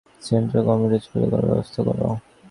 Central computer চালু করার ব্যবস্থা কর।